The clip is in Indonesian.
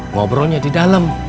ngobrolnya di dalam